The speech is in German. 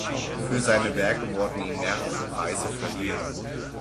Für seine Werke wurden ihm mehrere Preise verliehen.